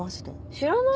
知らない？